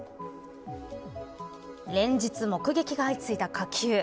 連日、目撃が相次いだ火球。